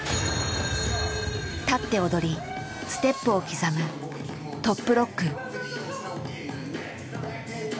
立って踊りステップを刻むトップロック。